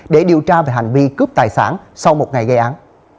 để điều tra về hành vi cướp tài sản sau một ngày gây án